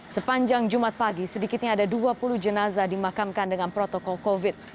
sepanjang jumat pagi sedikitnya ada dua puluh jenazah dimakamkan dengan protokol covid